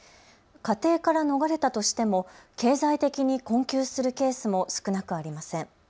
家庭から逃れたとしても経済的に困窮するケースも少なくありません。